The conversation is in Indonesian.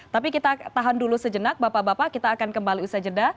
tapi kita tahan dulu sejenak bapak bapak kita akan kembali usai jeda